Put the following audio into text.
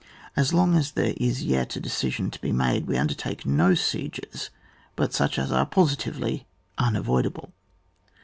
As long as there is yet a decision to be made, we undertake no sieges but such as are positively imavoid able.